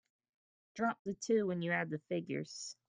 Drop the two when you add the figures.